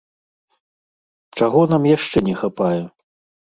Чаго нам яшчэ не хапае?